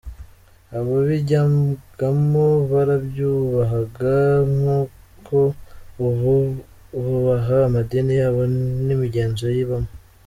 Ababijyagamo, barabyubahaga, nk’uko ab’ubu bubaha amadini yabo n’imigenzo iyabamo.